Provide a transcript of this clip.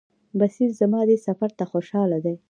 بصیر زما دې سفر ته خوشاله دی.